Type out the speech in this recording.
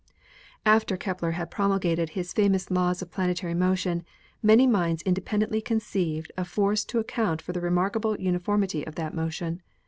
After Kepler had promulgated his famous laws of plane tary motion many minds independently conceived a force to account for the remarkable uniformity of that motion.